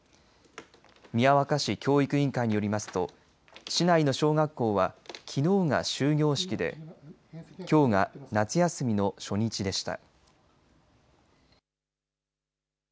宮若市教育委員会によりますと市内の小学校はきのうが終業式できょうが夏休みの初日でした。